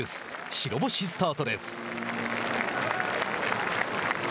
白星スタートです。